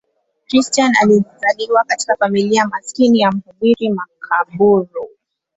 Christian alizaliwa katika familia maskini ya mhubiri makaburu.